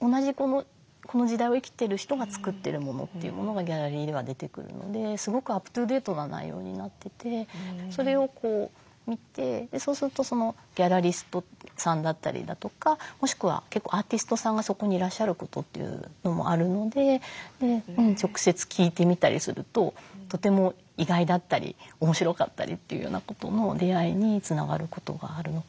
同じこの時代を生きてる人が作ってるものというものがギャラリーでは出てくるのですごくアップトゥーデートな内容になっててそれを見てそうするとギャラリストさんだったりだとかもしくは結構アーティストさんがそこにいらっしゃることというのもあるので直接聞いてみたりするととても意外だったり面白かったりというようなことも出会いにつながることがあるのかなと思います。